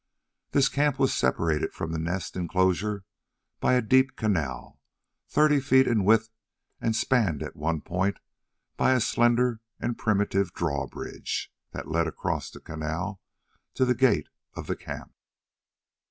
This camp was separated from the Nest enclosure by a deep canal, thirty feet in width and spanned at one point by a slender and primitive drawbridge that led across the canal to the gate of the camp.